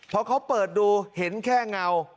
พอเขาเปิดดูเห็นแค่เงา